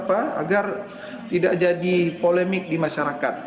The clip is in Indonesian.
agar tidak jadi polemik di masyarakat